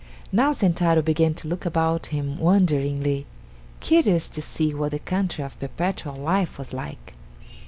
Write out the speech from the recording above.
Now Sentaro began to look about him wonderingly, curious to see what the country of Perpetual Life was like.